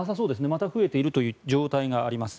また増えているという状態があります。